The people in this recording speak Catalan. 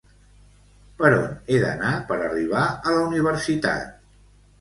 Per on he d'anar per arribar a la universitat?